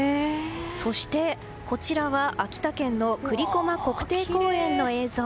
そして、こちらは秋田県の栗駒国定公園の映像。